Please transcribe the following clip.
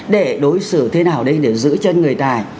để đối xử thế nào đây để giữ chân người tài